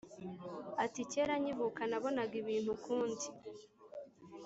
Ati: kera nkivuka nabonaga ibintu ukundi